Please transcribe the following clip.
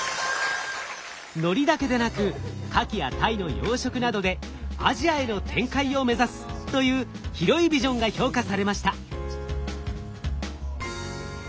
海苔だけでなくカキやタイの養殖などでアジアへの展開を目指すという広いビジョンが評価されました。